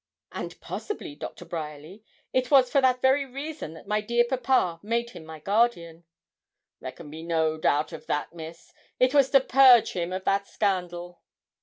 'And possibly, Doctor Bryerly, it was for that very reason that my dear papa made him my guardian.' 'There can be no doubt of that, Miss; it was to purge him of that scandal.'